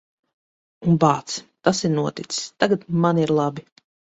Un, bāc, tas ir noticis. Tagad man ir labi.